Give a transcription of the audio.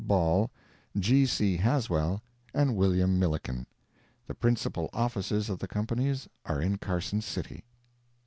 Ball, G. C. Haswell and Wm. Millikin. The principal offices of the companies are in Carson City.